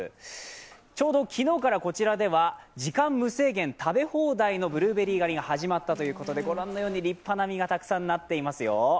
ちょうど昨日からこちらでは時間無制限食べ放題のブルーベリー狩りが始まったということで、ご覧のように立派な実がたくさんなっていますよ。